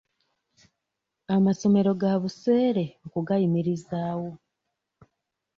Amasomero ga buseere okugayimirizaawo.